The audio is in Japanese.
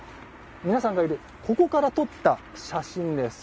皆さんがいるここから撮った写真です。